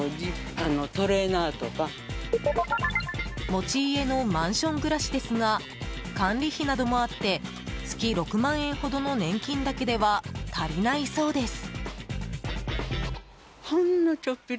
持ち家のマンション暮らしですが管理費などもあって月６万円ほどの年金だけでは足りないそうです。